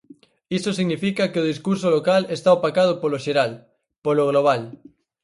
Iso significa que o discurso local está opacado polo xeral, polo global.